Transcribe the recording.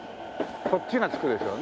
こっちがつくでしょうね。